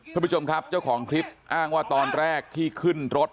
ท่านผู้ชมครับเจ้าของคลิปอ้างว่าตอนแรกที่ขึ้นรถ